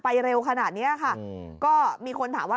ไปเร็วขนาดเนี้ยค่ะอืมก็มีคนถามว่า